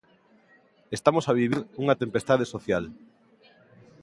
Estamos a vivir unha tempestade social.